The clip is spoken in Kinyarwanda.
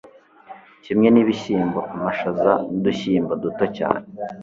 kimwe n'ibishyimbo, amashaza, n'udushyimbo duto cyane